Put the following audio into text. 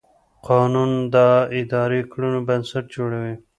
قانون د اداري کړنو بنسټ جوړوي.